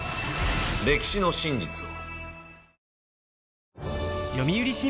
歴史の真実を。